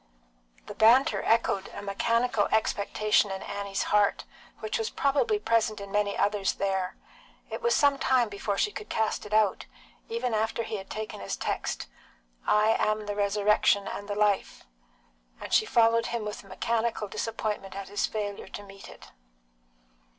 The banter echoed a mechanical expectation in Annie's heart, which was probably present in many others there. It was some time before she could cast it out, even after he had taken his text, "I am the Resurrection and the Life," and she followed him with a mechanical disappointment at his failure to meet it.